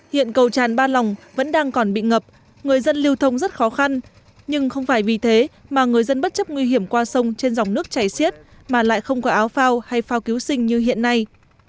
hiện cầu tràn ba lòng vẫn đang còn bị ngập người dân lưu thông rất khó khăn nhưng không phải vì thế mà người dân bất chấp nguy hiểm qua sông trên dòng nước chảy xiết mà lại không có áo phao hay phao cứu sinh như hiện nay